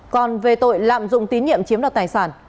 còn về tội lạm dụng tín nhiệm chiếm đoạt tài sản